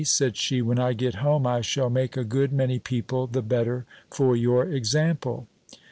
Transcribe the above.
said she, "when I get home, I shall make a good many people the better for your example."